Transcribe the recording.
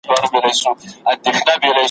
دا ټوټې وي تر زرګونو رسېدلي ,